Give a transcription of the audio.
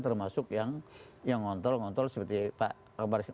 termasuk yang ngontrol ngontrol seperti pak akbar